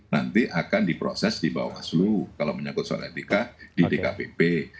nanti akan diproses di bawah slu kalau menyangkut soal etika di dkpp